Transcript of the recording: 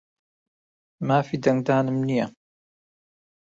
مافی دەنگدانم نییە.